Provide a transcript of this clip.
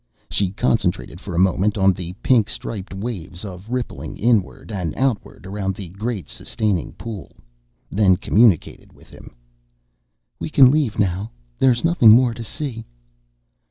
She concentrated for a moment on the pink striped waves of rippling inward and outward around the great sustaining pool, then communicated with him. "We can leave now. There is nothing more to see."